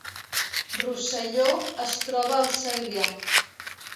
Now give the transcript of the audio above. Rosselló es troba al Segrià